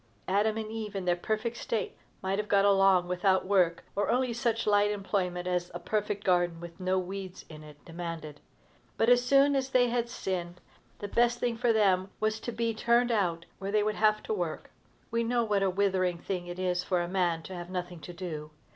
Adam and Eve, in their perfect state, might have got along without work, or only such slight employment as a perfect garden, with no weeds in it, demanded. But, as soon as they had sinned, the best thing for them was to be turned out where they would have to work. We know what a withering thing it is for a man to have nothing to do.